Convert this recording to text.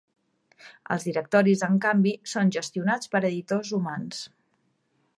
Els directoris, en canvi, són gestionats per editors humans.